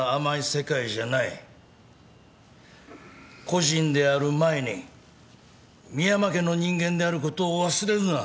個人である前に深山家の人間であることを忘れるな。